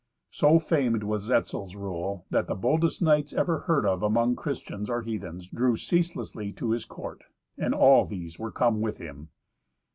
So famed was Etzel's rule that the boldest knights ever heard of among Christians or heathens drew ceaselessly to his court; and all these were come with him.